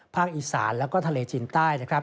ภาคอีสานและก็ทะเลจินใต้